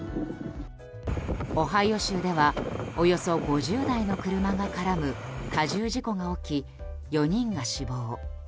オハイオ州ではおよそ５０台の車が絡む多重事故が起き、４人が死亡。